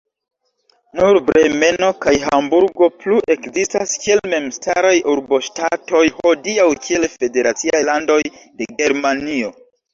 Nur Bremeno kaj Hamburgo plu-ekzistas kiel memstaraj urboŝtatoj, hodiaŭ kiel federaciaj landoj de Germanio.